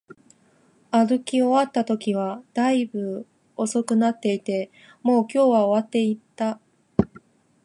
歩き終わったときは、大分遅くなっていて、もう今日は終わっていた